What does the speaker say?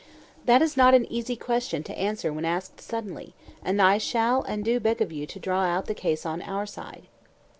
That is not an easy question to answer when asked suddenly; and I shall and I do beg of you to draw out the case on our side.